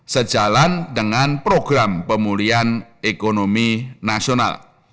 sejalan dengan program pemulihan ekonomi nasional